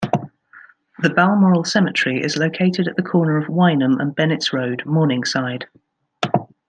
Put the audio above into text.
The Balmoral Cemetery is located at the corner of Wynnum and Bennetts Road, Morningside.